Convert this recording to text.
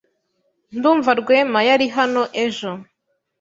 Ndumva Rwema yari hano ejo.